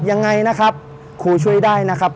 ยังไงนะครับครูช่วยได้นะครับ